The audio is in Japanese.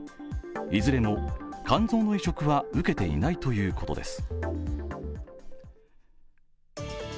いずれも肝臓の移植は受けていないということです。